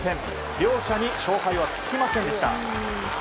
両者に勝敗はつきませんでした。